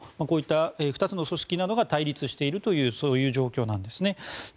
こういった２つの組織などが対立しているという状況です。